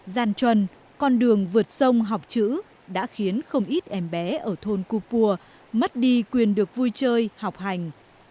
giàn truần con đường vượt sông học chữ đã khiến không ít em bé ở thôn kupua mất đi quyền được vui chơi học hành